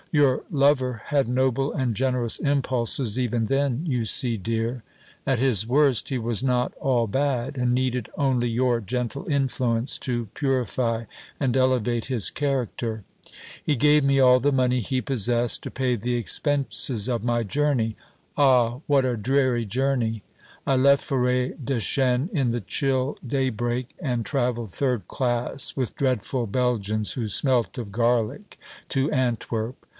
Your lover had noble and generous impulses even then, you see, dear; at his worst he was not all bad, and needed only your gentle influence to purify and elevate his character. He gave me all the money he possessed to pay the expenses of my journey. Ah, what a dreary journey! I left Forêtdechêne in the chill daybreak, and travelled third class, with dreadful Belgians who smelt of garlic, to Antwerp.